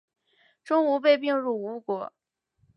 钟吾被并入吴国。